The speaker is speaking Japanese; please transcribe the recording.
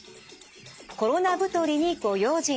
「コロナ太りにご用心！」